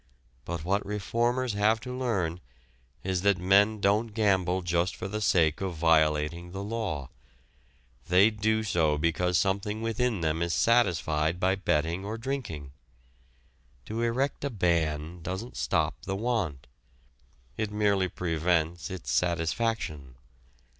But what reformers have to learn is that men don't gamble just for the sake of violating the law. They do so because something within them is satisfied by betting or drinking. To erect a ban doesn't stop the want. It merely prevents its satisfaction.